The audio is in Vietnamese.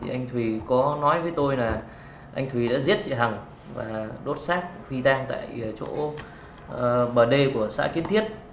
anh thùy có nói với tôi là anh thùy đã giết chị hằng và đốt xác phi đang tại chỗ bờ đê của xã kiến thiết